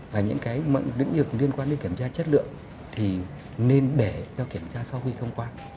và những những liên quan đến kiểm tra chất lượng thì nên để cho kiểm tra sau khi thông qua